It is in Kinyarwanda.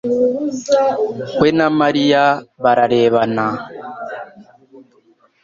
We na Mariya bararebana.